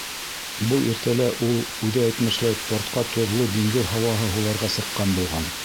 Был иртәлә ул, үҙе әйтмешләй, портҡа тоҙло диңгеҙ һауаһы һуларға сыҡҡан булған.